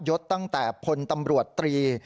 ยศตั้งแต่พลตำรวจตรี